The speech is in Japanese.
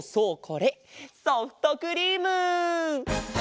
ソフトクリーム！